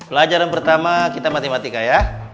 pelajaran pertama kita matematika ya